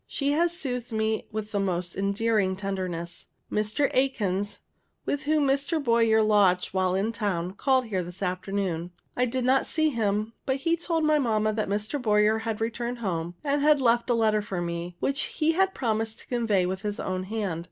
She has soothed me with the most endearing tenderness. Mr. Atkins, with whom Mr. Boyer lodged while in town, called here this afternoon. I did not see him; but he told my mamma that Mr. Boyer had returned home, and left a letter for me, which he had promised to convey with his own hand.